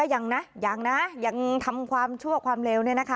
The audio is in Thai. แต่มันก็ยังทำความชั่วกว่าความเลว